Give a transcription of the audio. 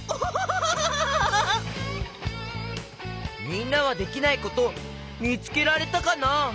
みんなはできないことみつけられたかな？